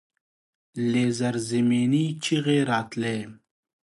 له زيرزمينې چيغې راتلې.